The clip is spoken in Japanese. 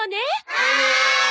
はい！